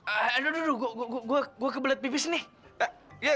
aduh aduh aduh gue kebelet pipis nih